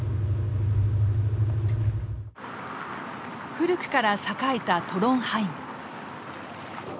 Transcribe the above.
古くから栄えたトロンハイム。